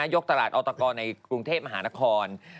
ตลาดออตกรในกรุงเทพมหานคร